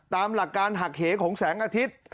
ตามหลักการหักเหของแสงอาทิตย์